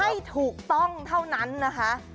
ให้ถูกต้องเท่านั้นนะคะ